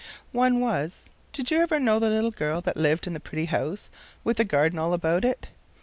One was— Did you ever know the little girl that lived in the pretty house, with the garden all about it?